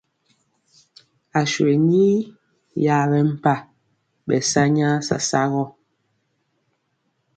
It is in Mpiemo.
Aswe ni yaɓɛ mpa, ɓɛ sa nyaa sasa gɔ.